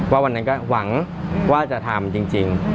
วันนั้นก็หวังว่าจะทำจริง